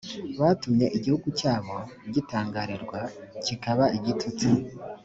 batumye igihugu cyabo gitangarirwa kikaba igitutsi